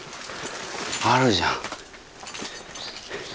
あるじゃん！